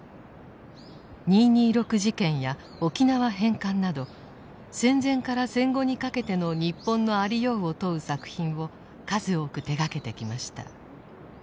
二・二六事件や沖縄返還など戦前から戦後にかけての日本のありようを問う作品を数多く手がけてきました。